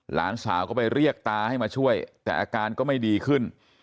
หลานสาวก็ไปเรียกตาให้มาช่วยแต่อาการก็ไม่ดีขึ้น